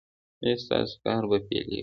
ایا ستاسو کار به پیلیږي؟